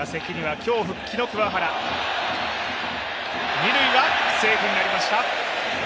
二塁はセーフになりました。